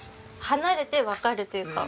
離れてわかるというか。